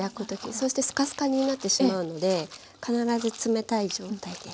そしてスカスカになってしまうので必ず冷たい状態で。